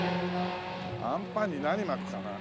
あんぱんに何巻くかな？